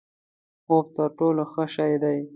خوب تر ټولو ښه شی دی؛